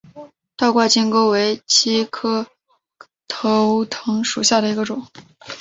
倒挂金钩为茜草科钩藤属下的一个种。